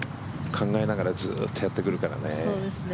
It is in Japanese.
考えながらずっとやってくるからね。